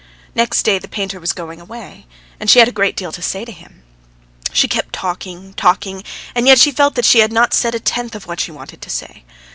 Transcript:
Next day the painter was going away, and she had a great deal to say to him. She kept talking, talking, and yet she felt that she had not said a tenth of what she wanted to say.